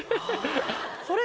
それ。